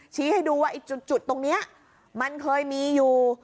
ชี้ให้ดูว่าไอ้จุดตรงนี้มันเคยมีอยู่